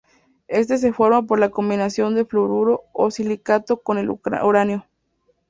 Éste se forma por la combinación de fluoruro o silicato con el uranio.